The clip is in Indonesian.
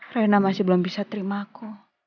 rena masih belum bisa terima aku